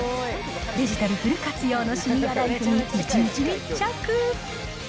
デジタルフル活用のシニアライフに一日密着。